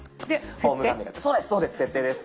そうです「設定」です。